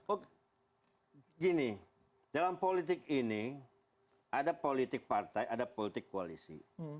oh gini dalam politik ini ada politik partai ada politik koalisi